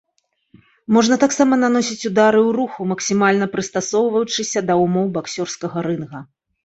Можна таксама наносіць ўдары ў руху, максімальна прыстасоўваючыся да ўмоў баксёрскага рынга.